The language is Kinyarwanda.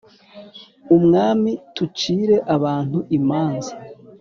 Umwami t ucire abantu imanza